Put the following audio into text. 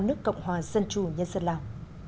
nước cộng hòa dân chủ nhân dân lào